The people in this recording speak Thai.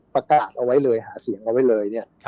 ประกาศเอาไว้เลยหาเสียงเอาไว้เลยเนี่ย